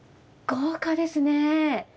豪華ですね。